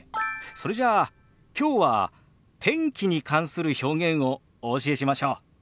それじゃあきょうは天気に関する表現をお教えしましょう。